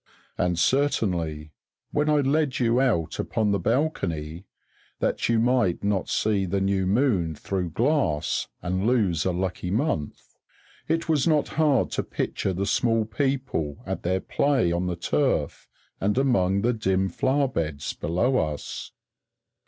And certainly, when I led you out upon the balcony (that you might not see the new moon through glass and lose a lucky month), it was not hard to picture the Small People at their play on the turf and among the dim flower beds below us.